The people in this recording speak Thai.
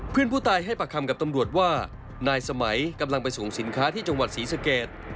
เพื่อนผู้ตายให้ปากคำกับตำรวจว่านายสมัยกำลังไปส่งสินค้าที่จังหวัดศรีสเกต